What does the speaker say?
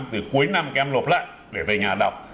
từ cuối năm các em lộp lạnh để về nhà đọc